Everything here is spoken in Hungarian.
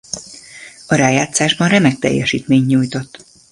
A rájátszásban remek teljesítményt nyújtott.